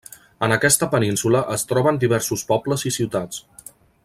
En aquesta península es troben diversos pobles i ciutats.